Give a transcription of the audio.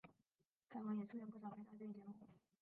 凯文也出演不少肥皂剧节目。